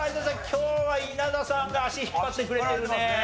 今日は稲田さんが足引っ張ってくれてるね。